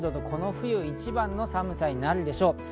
この冬一番の寒さになるでしょう。